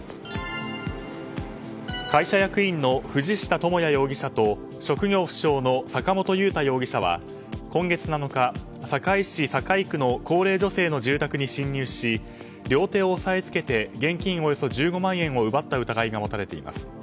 会社役員の藤下朋哉容疑者と職業不詳の坂本佑太容疑者は今月７日、堺市堺区の高齢者の住宅に侵入し両手を押さえつけて現金およそ１５万円を奪った疑いが持たれています。